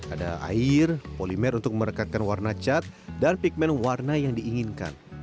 ada air polimer untuk merekatkan warna cat dan pigment warna yang diinginkan